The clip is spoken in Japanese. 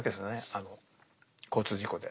あの交通事故で。